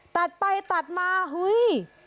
ตัดไปตัดมาใช่ไหม